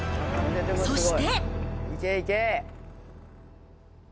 そして。